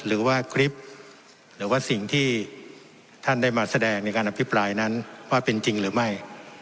หรือว่าคลิปหรือว่าสิ่งที่ท่านได้มาแสดงในการอภิปรายนั้นว่าเป็นจริงหรือไม่